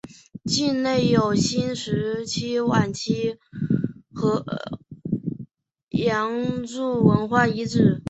境内有新石器晚期和良渚文化遗址。